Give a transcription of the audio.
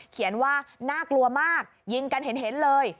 เขียนว่าน่ากลัวมากยิงกันเห็นเลย